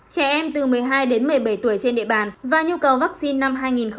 trẻ em từ một mươi hai đến một mươi bảy tuổi trên địa bàn và nhu cầu vaccine năm hai nghìn hai mươi